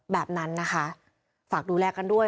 แบบนั้นนะคะฝากดูแลกันด้วย